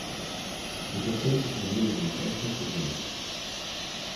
Les personnes concernées n’auront pas à faire cette démarche.